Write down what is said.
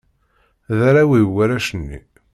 D arraw-iw warrac-nni.